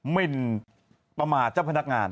มินประมาทเจ้าพนักงาน